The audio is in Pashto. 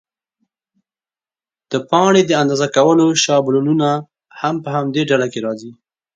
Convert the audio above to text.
د پاڼې د اندازه کولو شابلونونه هم په همدې ډله کې راځي.